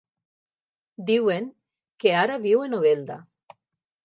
Diuen que ara viu a Novelda.